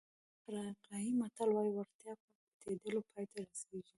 افریقایي متل وایي وړتیا په پټېدلو پای ته رسېږي.